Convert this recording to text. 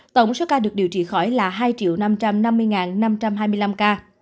tổng số ca được điều trị khỏi là hai năm trăm năm mươi năm trăm hai mươi năm ca